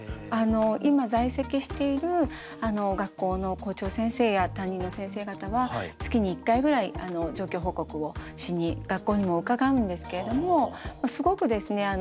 今在籍している学校の校長先生や担任の先生方は月に一回ぐらい状況報告をしに学校にも伺うんですけれどもすごくですね